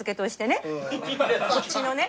こっちのね。